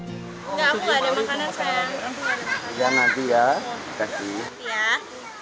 enggak aku nggak ada makanan sayang